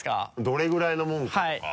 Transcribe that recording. どれぐらいのもんかとか。